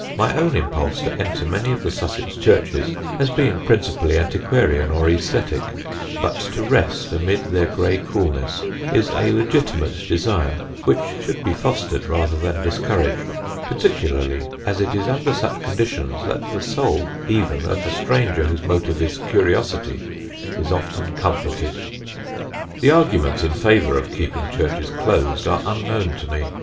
My own impulse to enter many of the Sussex churches has been principally antiquarian or æsthetic, but to rest amid their gray coolnesses is a legitimate desire which should be fostered rather than discouraged, particularly as it is under such conditions that the soul even of the stranger whose motive is curiosity is often comforted. The arguments in favour of keeping churches closed are unknown to me.